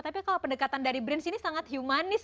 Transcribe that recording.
tapi kalau pendekatan dari brand sini sangat menarik